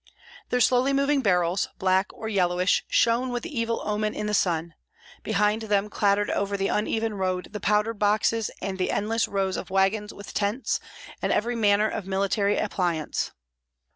Their slowly moving barrels, black or yellowish, shone with evil omen in the sun; behind them clattered over the uneven road the powder boxes and the endless row of wagons with tents and every manner of military appliance.